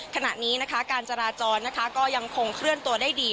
ขณะนี้นะคะการจราจรนะคะก็ยังคงเคลื่อนตัวได้ดี